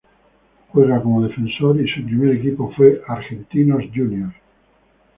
Juega como Defensor y su primer equipo fue Argentinos Juniors.